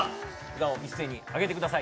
札を一斉にあげてください